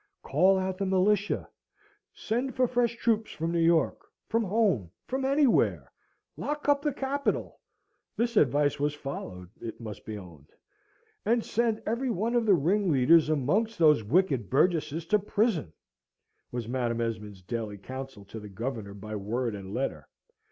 Call out the militia; send for fresh troops from New York, from home, from anywhere; lock up the Capitol! (this advice was followed, it must be owned) and send every one of the ringleaders amongst those wicked burgesses to prison! was Madam Esmond's daily counsel to the Governor by word and letter.